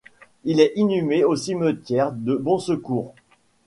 Il est inhumé au cimetière de Bonsecours.